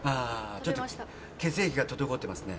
ちょっと血液が滞ってますね。